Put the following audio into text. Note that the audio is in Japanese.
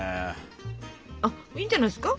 あいいんじゃないですか？